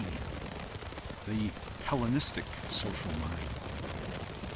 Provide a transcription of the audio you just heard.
c) The Hellenistic social mind.